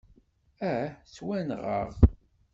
Ah! Ttwanɣeɣ!